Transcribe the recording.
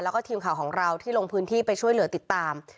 แล้วก็ทีมข่าวของเราที่ลงพื้นที่ไปช่วยเหลือติดตาม